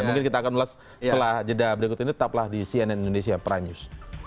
mungkin kita akan ulas setelah jeda berikut ini tetaplah di cnn indonesia prime news